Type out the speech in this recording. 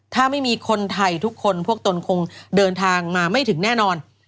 ถ้าไม่มีคนไทยทุกคนพวกตนคงเดินทางมาไม่ถึงแน่นอน